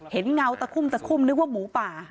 เห็นเงาตะคุมตะคุมนึกว่าหมูป่า